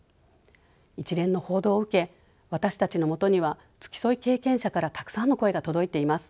一連の報道を受け私たちのもとには付き添い経験者からたくさんの声が届いています。